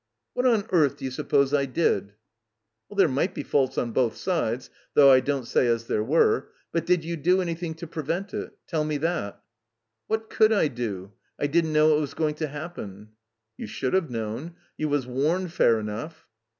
What on earth do you suppose I did?" 'There might be faults on both sides, though I don't say as there were. But did you do anjrthing to prevent it? Tell me that." "What could I do ? I didn't know it was going to happen." "You should have known. You was warned fair enough."